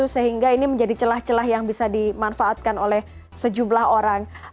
sehingga ini menjadi celah celah yang bisa dimanfaatkan oleh sejumlah orang